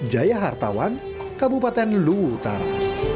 jaya hartawan kabupaten lutara